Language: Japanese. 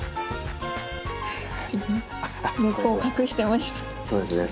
根っこを隠してました。